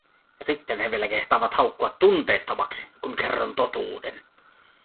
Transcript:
Ja sitten he vielä kehtaavat haukkua tunteettomaksi, kun kerron totuuden.